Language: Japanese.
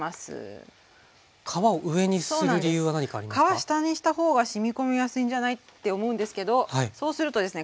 皮下にした方がしみ込みやすいんじゃない？って思うんですけどそうするとですね